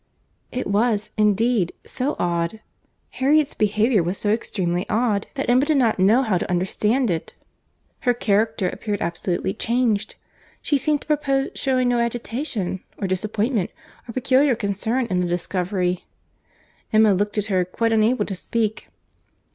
It was, indeed, so odd; Harriet's behaviour was so extremely odd, that Emma did not know how to understand it. Her character appeared absolutely changed. She seemed to propose shewing no agitation, or disappointment, or peculiar concern in the discovery. Emma looked at her, quite unable to speak.